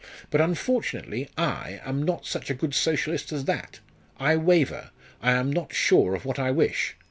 But unfortunately I am not such a good Socialist as that. I waver I am not sure of what I wish.